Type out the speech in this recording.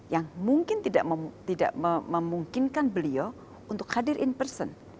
yang mungkin tidak memungkinkan beliau untuk hadir in person